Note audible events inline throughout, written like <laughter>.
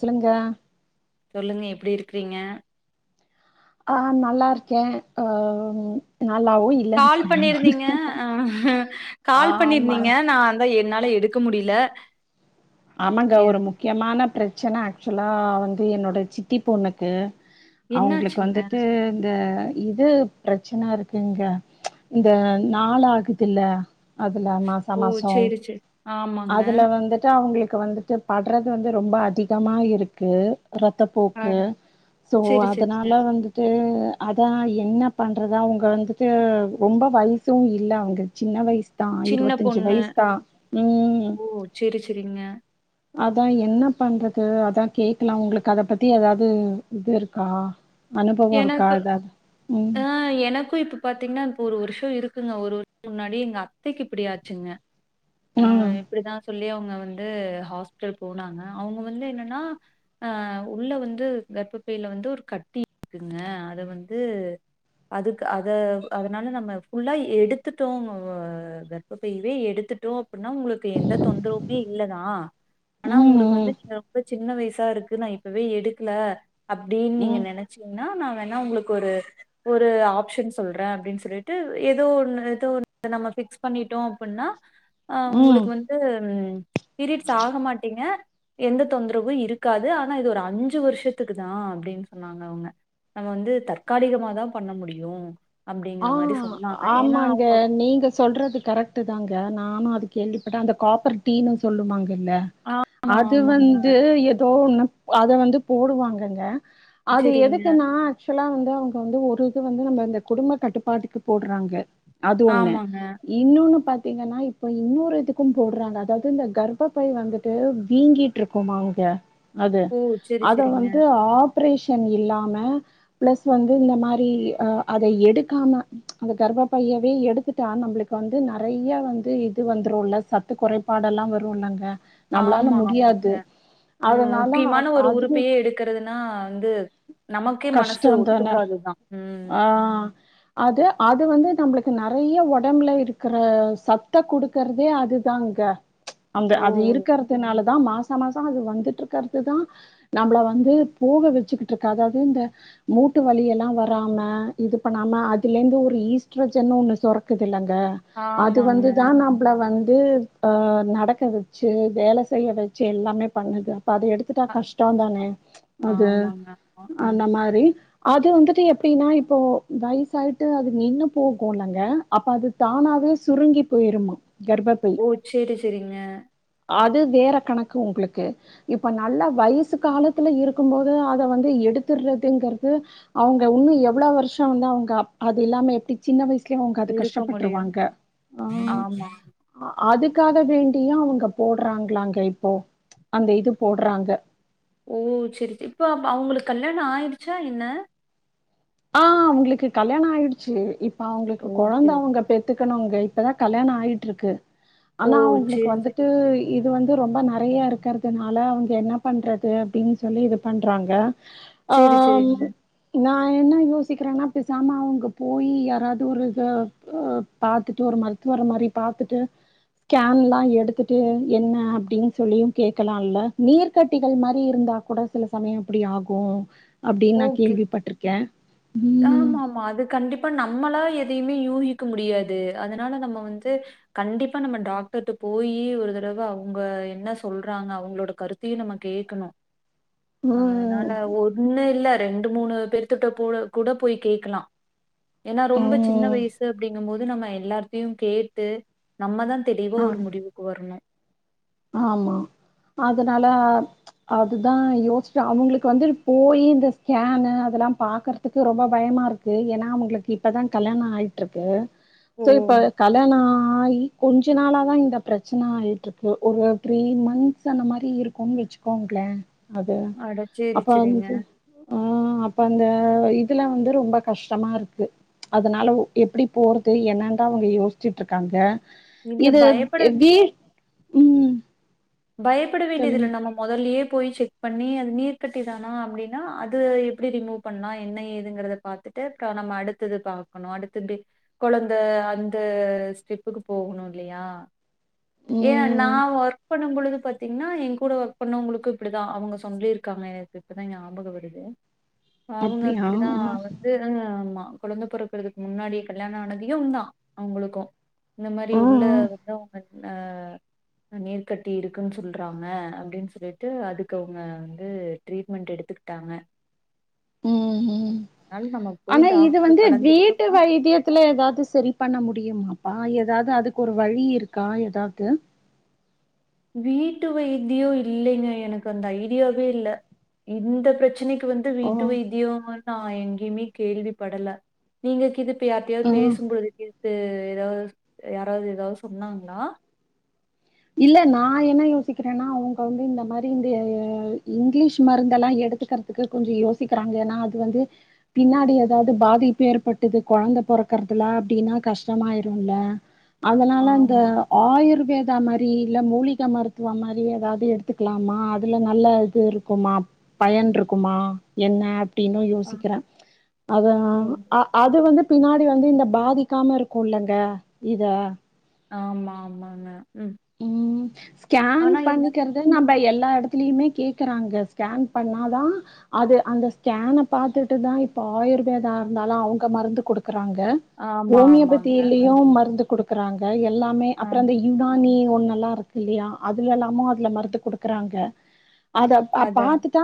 சொல்லுங்க சொல்லுங்க எப்டி இருக்றீங்க ஆ நல்லா இருக்கே ஆ நல்லாவுய் கால் பண்ணீர்ந்தீங்க ஆ கால் ஆமாங் பண்ணீர்ந்தீங்க நான் தா என்னால எடுக்க முடில ஆமாங்க ஒரு முக்கியமான ப்ரச்சன ஆக்சுலா வந்து என்னோட சித்தி பொண்ணுக்கு அவுங்ளுக்கு என்னாச்சுங்க வந்துட்டு இந்த இது பிரச்சன இருக்குங்க ச் இந்த நாள் ஆகுதுல்ல அதுல மாச ஓ மாசோ சேரி சேரி ஆமாங்க அதுல வந்து டு அவுங்குளுக்கு வந்துட்டு பட்றது வந்து ரொம்ப அதிகமா இருக்கு ரத்தப்போக்கு அட சோ சேரி சேரி அதனா ல்லா வந்துட்டு அதா என்ன பண்றது அவுங்க வந்துட்டு ரொம்ப வய்சு இல்ல அவுங்க சின்ன வய்சுதா சின்ன இருவத்தஞ்சு பொண்ணு வய்சுதா ம் ஓ சேரி சேரிங்க அதா என்ன பண்றது அதா கேக்கலா உங்களுக்கு அத பத்தி எதாது இது இருக்கா அனுபவோ இருக்கா எனக்கு எதாது ம் ஆ எனக்கு இப்ப ப்ப பாத்தீங்கனா இப்போ ஒரு வர்ஷோ இருக்குங்க ஒரு வர்ஷோ முன்னாடி எங்க அத்தைக்கு இப்டியாச்சுங்க ஆ உம் இப்டிதா சொல்லி அவங்க வந் து ஹாஸ்பிடல் போனாங்க அவுங்க வந்து என்னன்னா ஆ உள்ள வந்து கர்ப்பப்பைல வந்து ஒரு கட்டி இருக்குங்க அத வந்து அதுக்கு அத அதனால நம்ம ஃபுல்லா எடுத்துட்டோ ஆ இப்ப இவே எடுத்துட்டோ அப்டின்னா உங்களுக்கு எந்த தொந்தரவுமே இல்லதா ஆனா உம் உங்ளுக்கு உம் வந்து நீங்க ரொம்ப சின்ன வய்சா இருக்கு நா இப்பவே எடுக்குல அப்டின்னு நீங்க உம் நெனைச்சீங்கன்னா நா வேணா உங்ளுக்கு ஒரு ஒரு ஆப்ஷன் சொல்றே அப்டின் சொல்லிட்டு எதோ ஒன்னு எதோ ஒன்னு நம்ம ஃபிக்ஸ் பண்ணிட்டோ அப்புன்னா அ உம் உங்களுக்கு வந்து பீரியட்ஸ் ஆக மாட்டீங்க எந்த தொந்தரவு இருக்காது ஆனா இது ஒரு அஞ்சு வர்ஷத்துக்குதா அப்டின் சொன்னாங்க அவ்ங்க நம்ம வந்து தற்காலிகமாதா பண்ண முடியு ஆ ஆமாங்க நீங்க சொல்றது கரெக்ட்டுதாங்க நானு அது கேள்விப்பட்டே அந்த காப்பர் டீனு சொல்லுவாங்கல்ல ஆமா, அது ஆமாங்க. வந்து எதோ ஒன்னு அத வந்து போடுவாங்கங்க அது சரிங்க. எதுக்குன்னா ஆக்சுவலா வந்து அவுங்க வந்து ஒரு இது வந்து நம்ம இந்த குடும்பத் கட்டுப்பாட்டுக்கு போட்றாங்க அது ஒன்னு ஆமாங்க. இன்னொன்னு பாத்தீங்கன்னா இப்ப இன்னொரு இதுக்கு போட்றாங்க அதாவது இந்த கர்ப்பப்பை வந்துட்டு வீங்கிட் போட்ருக்குமாங்க அது ஓ! சரி, அத சரிங்க. வந்து ஆப் ரேஷன் இல்லாம ப்ளஸ் வந்து இந்தமாரி அத எடுத் காம அந்த கர்ப்ப பையவே எடுத்துட்டா நம்ளுக்கு வந்து நறைய வந்து இது வந்துருல சத் சத்து குறைபாடல்லா வருல்லங்க ஆமா ஆமாங்க ம் அதனால அது முக்கியமான ஒரு அதுவும் உறுப்பையே எடுக்கறதுன்னா வந்து நமக்கே மனசு கஷ்டந்தான ஒத்துக்காதுதா ம் ஆ அது அது வந்து நம்ளுக்கு நறையா ஒடம்புல இருக்குற சத்த குடுக்கர்தே அது தாங்க அந்த அது ஓ! இருக்கறதுனால தா மாசா மாசோ அது வந்துட்டு இருக்கறதுதா நம்பள வந்து போக வெச்சுக்கிட்ருக் அதாவ் இந்த மூட்டு வலி எல்லா வராம இது பண்ணாம அதுலேந்து ஒரு ஈஸ்ட்ரஜன் ஒன்னு சுரக்குதுல்லங்க அது ஆமாங்க வந்துதா நம் நம்பள வந்து ஆ நடக்க வெச்சு வேல செய்ய வெச்சு எல்லாமே பண்ணுது அப்ப அத எடுத்து ட்டா அ கஷ்டோதானே அது ஆமாங்க ஆமா ம் அந்தமாரி அது வந்துட்டு எப்டின்னா இப்போ வய்சாய்ட்டு அது நின்னு போகுலங்க அப்ப அதுதானாவே சுருங்கி போய்ருமா கர்ப்ப ஓ செரி செரிங்க அது வேற கணக்கு உங்குளுக்கு இப்ப நல்ல வயசு காலத்துல இருக்கும் போதே அத வந்து எடுத்துர்றதுங்றது அவுங்க உன்னு எவ்ளோ வர்ஷோ வந்து அவுங்க அப் அது இல்லாம எப்டி சின்ன வயசுலயே அவுங்க அது இருக்க முடியும் கஷ்டப்பட்ருவாங்க ஆ ஆமா அ அதுக்காக வேண்டியு அவுங்க போட்றாங்ளாங்க இப்போ அந்த இது போட்றாங்க ஓ சரி ச இப்போ ப அவுங்களுக்கு கல்யாண ஆயிடுச்சா என்ன ஆ அவுங்களுக்கு கல்யாண ஆய்டுச்சு இப்ப அவுங்களுக்கு ஓகே கொழந்த அவங்க பெத் துக்கணுங்க இப்பதா கல்யாண ஆய்ட்ருக்கு ஓ ஆனா அவுங்களுக்கு சரி சரி வந்துட்டு இது வந்து ரொம்ப நெறய இருக்கறதுனால அவுங்க என்ன பண்றது அப்டின் சொல்லி இது பண்றாங்க சரி அம் சரிங்க நா யோசிக்கிறேனா பேசாம அவுங்க போயி யாராது ஒரு த அ பாத்துட்டு ஒரு மருத்துவர மாரி பாத்துட்டு கேன்லா எடுத்துட்டு என்ன அப்டின் சொல்லியு கேட்கலால்ல நீர் கட்டிகள் மாரி இருந்தா கூட சில சமய அப்டி ஆகு அப்டி நா ஓகே கேள்விப்பட்ருக்கே ஆம அது கண்டிப்பா நம்மளா எதையுமே யூகிக்க முடியாது அதனால நம்ம வந்து கண்டிப்பா நம்ம டாக்டர்ட்ட போயி ஒரு தடவ அவுங்க என்ன சொல்றாங்க அவுங்களோட கருத் தயு நம்ம கேக்கணு அ ம் அதனால ஒண்ணு ரெண்டு மூணு பெத்துட்டப் புட கூட போய் கேக்லா ஏன்னா ரொம்ப சின்ன ம் வயசு அப்டிங்கு போது நம்ம எல்லாத்தையு கேட்டு நம்மதா தெளிவா ஒரு ஆம் முடிவுக்கு வரணு ஆமா அதனால அதுதா யோசிச்ச அவுங்களுக்கு வந்து போயி இந்த ஸ்கேனு அதெல்லா பாக்ற துக்கு ரொம்ப பயமா இருக்கு ஏன்னா அவுங்களுக்கு இப்ப தா கல்யாண ஆய்ட்ருக்கு ஓ சோ இப்ப கல்யாண ஆகி கொஞ்ச நாளா தா இந்த பிரச்சன ஆயிட்டுருக் கு ஒரு த்ரீ மந்த்ஸ் அந்த மாரி இருக்கும் வச்சுக்கோங்ளே அது அட சேரி அப்ப சேரிங்க வந்து ஆ அப்ப அந்த இதுல வந்து ரொம்ப கஷ்டமா இருக்கு அதனாலஒ எப்படி போறது என்னான் தா அவுங்க யோசிச்சுட்ருக்காங்க இல்ல இது பயப்பட வ் வீ ம் பயப்பட வேண்டியதில்ல சொல்லுங்க நம்ம மொதல்லயே போய் செக் பண்ணி அது நீர்கட்டி தானா அப்டினா அது எப்டி ரிமூ பண்லா என்ன ஏதுங்கிறத பாத்துட்டு க நம்ம அடுத்தது பாக்கணு அடுத்த <unintelligible> கொழந்த அந்த ஸ்டெப்புக் போகணு இல்லயா ஏ நா ம் ஒர் பொழுது பாத்தீங்னா என் கூட ஒர்க் பண்ணவங்களுக்கு இப்டிதா அவுங்க சொல்லிருக்காங்க எனக்கு இப்பதா ஞாபக வருது அவுங்க அப்டியா அப்டிதா வந்து அ ஆமா கொழந்த பொறக்கறதுக்கு முன்னாடி கல்யாண ஆனதியும் தா அவுங்களுக்கு இந்த மாரி உள்ள <inaudible> ம் ம் நீர்க் கட்டி இருக்குன் சொல்றாங்க அப்டின் சொல்லிட்டு அதுக்கு அவுங்க வந்து ட்ரீட்மெண்ட் எடுத்துக்கிட்டாங்க ம் அன் நம்ம போய் டாக்டர கலந்துக்ட்டோம்னா த்துல எதாது சரி பண்ண முடியுமாப்பா எதாது அதுக்கு ஒரு வழி இருக்கா எதாவ்து வீட்டு வைத்தியோ இல்லங்க எனக்கு அந்த ஐடியாவே இல்ல இந்த பிரச்சனைக் கு வந்து ஓ வீட்டு வைத்தியோ நா எங்கேயுமே கேள்வி படல நீங்க கிது இப்ப யார்ட்டயாது ம் பேசும் போது கேட்டு எதாவ் யாராவது எதாவது சொன்னாங்ளா இல்ல நா என்ன யோசிக்கிறேன்னா அவுங்கவுங்க இந்த மாரி இந்த இங்கிலீஷ் மருந்தெலா எடுத்துக்கற க்கு கொஞ்ச யோசிக்கிறாங்க ஏன்னா அது வந்து பின்னாடி எதாவது பாதிப்பு ஏற்பட்டது கொழந்த பொறக்கறதுல அப்டின்னா கஷ்டமாயிருல்ல அதனால அந்த ஆமா ஆயுர்வே தா மாரி இல்ல மூலிக மருத்துவ மாரி எதாவது எடுத்துக்கலாமா அதுல நல்ல இது இருக்குமா பயன் இருக்குமா என்ன அப்டின்னு ஆ யோசிக்கிற அதனா ஓ அ அது வந்து பின்னாடி வந்து இந்த பாதிக்காம இருக்குஇல்லங்க இத ஆமா ஆமான்ன ம் ஸ்கேன் என்ன பண்ணிக் கரெ டாநம்ம எல்லா எடத்துலயுமே கேக்கறாங்க ஸ்கேன் பண்ணாதா அது அந்த ஸ்கேன பாத்துட்டுதா இப்ப ஆயுர்வேதா இருந்தாலும் அவங்க மருந்து குடுக்குறாங்க ஆமா ஆமாங்க ஹோமியோபத்திலயு மருந்து கொடுக்குறாங்க எல்லாமே அப்பற ஆமா அந்த யுனா னி ஒன்னுலா இருக்குல்லயா அதுலலாமு அதுல மருந்து குடுக்குறாங்க அத அதா பாத்துட் தா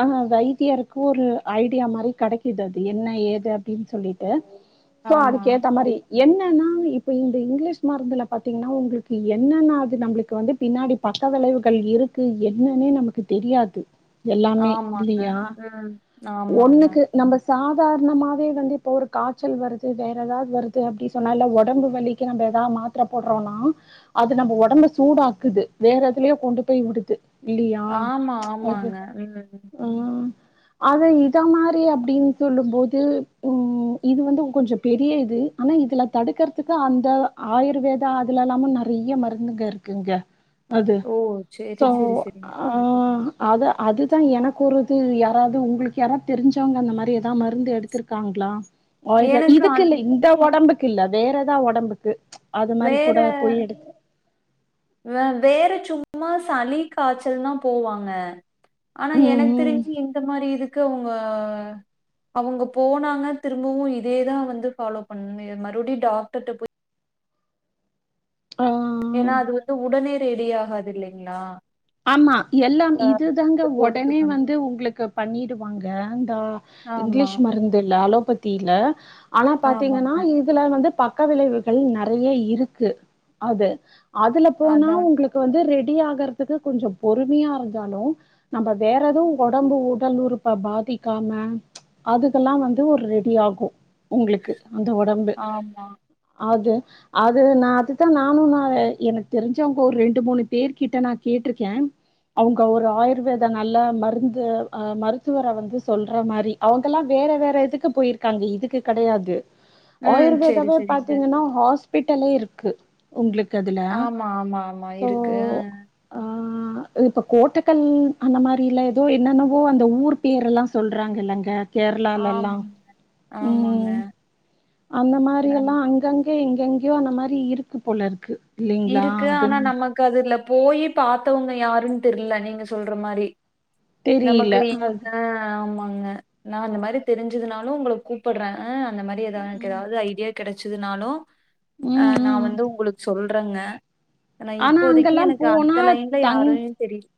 அந்த வைத்தியருக்கு ஒரு ஐடியா மாரி கெடைக்குது அது என்ன ஏது அப்டின் சொல்லிட்டு டு சோ ஆமா அதுக்கு ஏத்த மாரி என்னன்னா இப்ப இந்த இங்கிலீஷ் மருந்துல பாத்தீங்கன்னா உங்களுக்கு என்னன்னா அது நம்மளுக்கு வந்து பின்னாடி பக்க விளைவுகள் இருக்கு என்னன்னே நமக்கு தெரியாது எல்லாமே ஆமாங்க இல்லையா ம் ஆமா ஆமா ஒண்ணுக்கு நம்ம ம் சாதாரணமாவே வந்து இப்போ ஒரு காய்ச்சல் வருது வேற எதாது வருது அப்டி சொன்னால ஒடம்பு வலிக்கு நம்ம எதாவது மாத்திரை போடுறோனா அது நம்ம உடம்ப சூடாக்குது வேற எதுலயோ கொண்டு போய் விடுது இல்லியா ஆமா அது ஆமாங்க ம் ஆ அத இத மாரி அப்டின்னு சொல்லும்போது உம் இது வந்து கொஞ்ச பெரிய இது ஆனா இதுல தடுக்கறதுக்கு அந்த ஆயுர்வேதா அதுல இல்லாம ந நெறைய மருந்துங்க இருக்குங்க அது ஓ சரி சோ சரி சரிங்க ஆ அத அதுதா எனக்கு ஒருது யாராவது உங்களுக்கு யாரா தெரிஞ்சவங்க அந்த மாரி எதா மருந்து எடுத் துருக்காங்களா ஆயுர்வேத எனக்கு இதுக்கு அந் இல்ல இந்த ஒடம்புக்கு இல்ல வேற ஈதா ஒடம்புக்கு அது மாரி வேற கூட போய் எடுத் வேற சும்மா சளி காச்சல்னா போவாங்க ஆனா ம் எனக்கு ம் தெரிஞ்சு இந்த மாரி இதுக்கு உங்க அவுங்க போனாங்க திரும்பவு இதேதா வந்து ஃபாலோ பண்ணி மறுபடியு டாக்டர்ட போய் ஆ ஏனா அது வந்து உடனே ரெடி ஆகாது இல்லைங்களா ஆமா எல்லா ஆ இதுதாங்க ஒடனே போறதுக்கான வந்து உங்களுக்கு பண்ணிடுவாங்க தா ஆமா இங்கிலீஷ் மருந்து இல்ல அலோபத்தில ஆனா பாத்தீங்கன்னா ஆமாங்க. இ இதுல வந்து பக்க விளைவுகள் நெறையி இருக்கு அது அதுல போனா அதான் உங்களுக் கு வந்து ரெடி ஆகுறதுக்கு கொஞ்ச பொறுமையா இருந்தாலு நம்ம வேற எதுவு ஒடம்பு உடல் உறுப்ப பாதிக்காம அதுக்கெல்லா வந்து ஒரு ரெடி ஆகு உங்களுக்கு அந்த ஒடம்பு ஆமா. அது அது நா அதுதா நானு நா எனக்கு தெரிஞ்சவங்க ஒரு ரெண்டு மூணு பேர் கிட்டனா கேட்ருக்கே அவங்க ஒரு ஆயுர்வேத நல்ல மருந்து அ மருத்துவரே வந்து சொல்ற மாரி அவுங்கல்லா வேற வேற இதுக்கு போயிருக்காங்க இதுக்கு கெடையாது ம். சரி, ஆயுர்வேதாவே சரிங்க. பாத்தீங்கன்னா ஹாஸ்பிட்டலே இருக்கு உங்களுக்கு அதுல ஆமா, ஆமா, ஆமா. ஸோ இருக்கு. ஆ இப்ப கோட்டக்கல் அந்த மாரில ஏதோ என்னன்னவோ அந்த ஊர் பேர் எல்லா சொல்றாங்கல்லங்க கேரளா எல்லா ஆமாங்க, ஆமாங்க. உம் அந்த மாரி நம் எல்லா அங்கங் க எங்கெங்கேயோ அந்த மாரி இருக்கு போல இருக்கு இல்லைங்களா இருக்கு அது ஆனா நம் நமக்கு அதுல போயி பாத்தவங்க யாருன்னு தெர்ல நீங்க சொல்ற மாரி தெரியில நமக்கு என் அ ஆமாங்க நா அந்த மாரி தெரிஞ்சதுனாலு உங்கள கூப்படுற ஆ அந்த மாரி ஏதாவ எனக்கு ம் ஏதாவது ஐடியா கிடைச்சதுனாலு அ ம் நா ம் வந்து உங்களுக்கு சொல்றங்க ஆனா இப்போதைக்கி அங்கெல்லா எனக்கு போனா அந்த லைன்ல யாரையு தெரியுது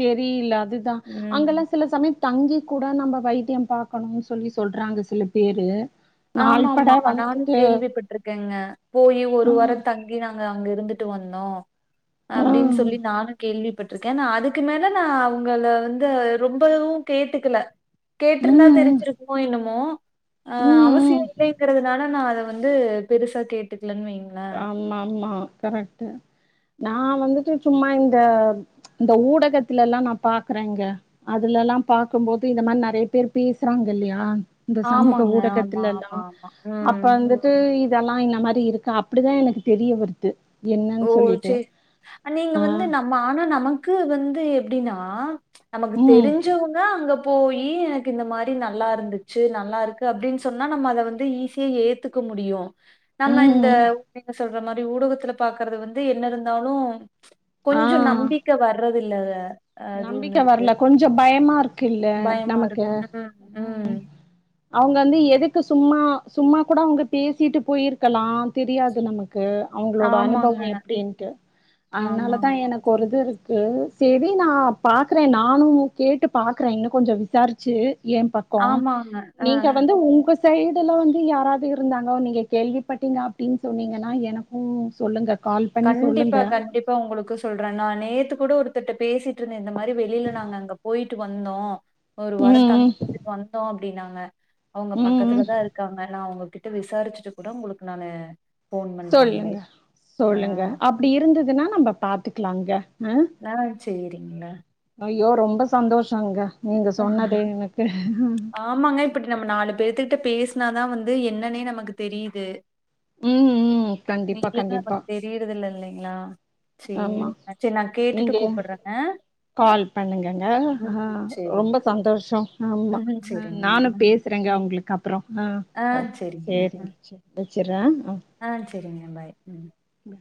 தெரில அதுதா அங்கெல்லா சில சமய தங்கி கூட நம்ம வைத்தியோ பாக்கணு சொல்லி சொல்றாங்க சில பேரு ஆமா நாள்பட மா நானு வந்துட்டு கேள்விப்பட்டிருக்கங்க போயி் ஒரு வார ம் தங் கி நாங்க அங்க இருந்துட்டு வந்தோ அப்டின்னு ம் சொல்லி நானு கேள்விப் பட்டுருக்க நா அதுக்கு மேல நா அவங்கள வந்து ரொம்பவு கேட்டுக்கில ம் கேட்டிருந்தா ம் தெரிஞ்சிருக்குமோ என்னமோ அ அவ ம் வசியோ ம் இல்லங்கிறதுனால நா அத வந்து பெருசா கேட்டுக்கிலன்னு வைங்க ஆமா ஆமா கரெக்ட் நா வந்துட்டு சும்மா இந்த இந்த ஊடகத்தில்ல எல்லா நா பாக்குறங்க அதுலல்லா பாக்கு போது இந்த மாரி நெறைய பேர் பேசுறாங்க இல்லையா இந்த சமூக ஆமாங்க. ஆமா, ஊடகத்துலல்லா ஆமா, ஆமா. அப்ப ம். வந்து இதெல்லா இந்த மாரி இருக்க அப்டிதா எனக்கு தெரிய வருது என்னன்னு ஓ சொல்லிட்டு சேரி நீங்க ஆ வந்து நம் ஆனா நமக்கு வந்து எப்டினா நமக்கு ம் தெரிஞ்சவங்க அங்க போயி எனக்கு இந்த மாரி நல்லா இருந்துச்சி நல்லா இருக்கு அப்டின்னு சொன்னா நம்ம அத வந்து ஈஸியா ஏத் த்துக்க முடியு நம்ம இந்த ம் பிள்ளைங்க சொல்ற மாரி ஊடகத்துல பாக்குறது வந்து என்ன இருந்தாலு ஆ கொஞ்சோ நம்பிக்க வர்றது இல்ல வ நம்பிக்க வரல கொஞ்சோ பயமா இருக்கு இல்ல பயமா நமக்கு இருக்கு. ம், ம். உம் அவங்க வந்து எதுக்கு சும்மா சும்மா கூட அவங்க பேசிட்டு போயிருக்கலா தெரியாது நமக்கு அவங்களோட ஆமாங்க. அனுபவோ எப்டின்டு ஆமா, அதனாலதா ஆமா. எனக்கு ஒரு இது இருக்கு சேரி நா பாக்குற நானு கேட்டு பாக்குற இன்னு கொஞ்சோ விசாரிச்சி ஏ பக் கோ ஆமாங்க. அ. நீங்க வந்து உங்க சைடுல வந்து யாராவது இருந்தாங்க நீங்க கேள்விப்பட்டீங்க அப்டின்னு சொன்னிங்கன்னா எனக்கு சொல்லுங்க கால் பண்ணி சொல்லுங்க இப்ப உங்களுக்கு சொல்ற நா நேத்து கூட ஒருத்தர்கிட்ட பேசிட்டு இருந்தே இந்த மாறி வெளியில நாங்க அங்க போயிட்டு வந்தோ ஒரு ம் வாரோ ம் தங்கிட்டு வந்தோ அப்டின்னாங்க அவங்க ம் ம் பக்கத்துல தா இருக்காங்க நா அவங்க கிட் ட விசாரிச்சிட்டு கூட உங்களுக்கு நானு போன் பண்ற சொல்லுங்க அந்மாறி சொல்லுங்க அப்டி இருந்ததுன்னா நம்ம பாத்துக்கிலாங்க அ சேரிங்க ஐயோ ரொம்ப சந்தோஷங்க நீங்க ஆஹ் சொன்னதே எனக்கு ஆமாங்க இப்ப நம்ம நாலு பேர்த்தக்கிட்ட பேசினாதா வந்து என்னன்னே நமக்கு தெரியுது ம் ம் நீ கண்டிப்பா கேக்கு கண்டிப்பா <inaudible> தெரியறதுல இல்லைங்களா ஆமா சரிங்க. சரி நான் கேட்டுட்டு நீங்க கூப்பிடுறேங்க. கால் பண்ணுங்கங்க ம் ரொம்ப சரிங்க. சந்தோஷம் ஆமா ம் சரிங்க. நானு ம் பேசுறங்க அவங்களுக்கு அப்ரோ ஆ ஓ சரிங்க. சேரி ஆ. வச்சிற ஆ சரிங்க பாய் ம் வே